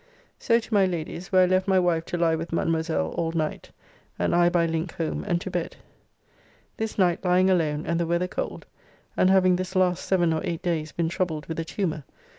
So to my Lady's, where I left my wife to lie with Mademoiselle all night, and I by link home and to bed. This night lying alone, and the weather cold, and having this last 7 or 8 days been troubled with a tumor...